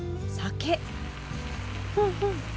ふんふん。